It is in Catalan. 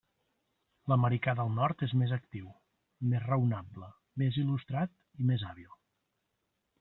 L'americà del Nord és més actiu, més raonable, més il·lustrat i més hàbil.